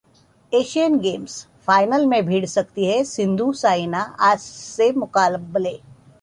Asian Games: final में भिड़ सकती हैं सिंधु-साइना, आज से मुकाबले